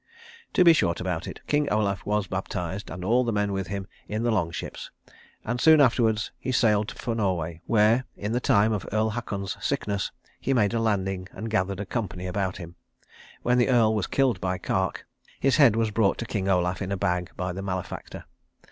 To be short about it, King Olaf was baptized and all the men with him in the long ships; and soon afterwards he sailed for Norway where, in the time of Earl Haakon's sickness, he made a landing and gathered a company about him. When the Earl was killed by Kark, his head was brought to King Olaf in a bag by the malefactor.